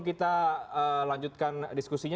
kita lanjutkan diskusinya